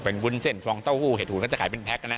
เป็นวุ้นเซ็นฟรองเต้าหู้เห็ดหูนเขาจะขายเป็นแพ็คนะ